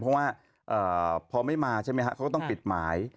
เพราะว่าพอไม่มาใช่ไหมครับเขาก็ต้องปิดหมาย